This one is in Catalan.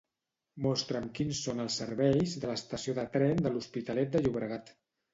Mostra'm quins són els serveis de l'estació de tren de l'Hospitalet de Llobregat.